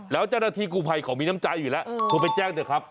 แล้วเจ้าหน้าที่กูภัยเขามีน้ำใจอยู่แล้วโทรไปแจ้งเถอะครับ